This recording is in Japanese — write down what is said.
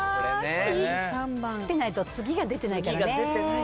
知ってないと次が出てないからね。